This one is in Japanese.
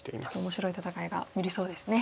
面白い戦いが見れそうですね。